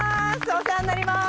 お世話になります